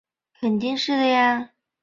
阿克多武拉克。